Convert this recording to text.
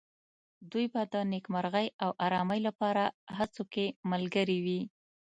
دوی به د نېکمرغۍ او آرامۍ لپاره هڅو کې ملګري وي.